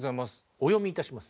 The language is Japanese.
お読みいたします。